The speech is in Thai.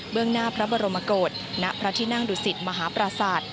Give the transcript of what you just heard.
เบื้องหน้าพระบรมโกศณพระธินังดุสิตมหาประสาท